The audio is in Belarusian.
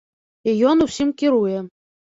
І ён усім кіруе.